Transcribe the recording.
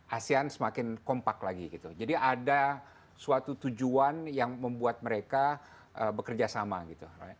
asean semakin kompak lagi gitu jadi ada suatu tujuan yang membuat mereka bekerja sama gitu